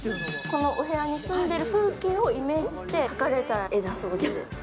このお部屋に済んでいる風景をイメージして描かれたそうで。